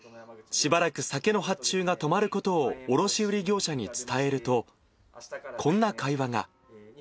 しばらく酒の発注が止まることを、卸売り業者に伝えると、こんな会話が。